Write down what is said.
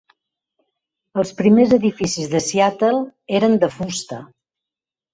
Els primers edificis de Seattle eren de fusta.